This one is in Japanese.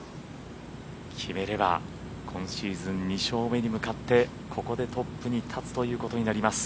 決めれば今シーズン２勝目に向かってここでトップに立つということになります。